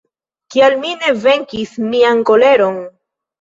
Kial mi ne venkis mian koleron?